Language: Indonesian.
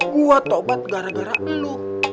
gue tobat gara gara lu